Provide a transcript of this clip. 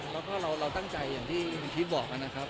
แล้วก็เราตั้งใจอย่างที่คุณพีชบอกนะครับ